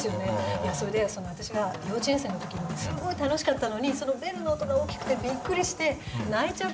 いやそれで私が幼稚園生の時にすごい楽しかったのにそのベルの音が大きくてビックリして泣いちゃったんですよ。